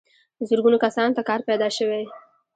زرګونو کسانو ته کار پیدا شوی.